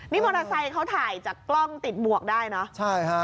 โมนัสไซค์เขาถ่ายจากกล้องติดบวกใช่ค่ะ